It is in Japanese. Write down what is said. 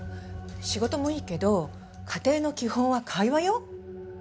仕事もいいけど家庭の基本は会話よ。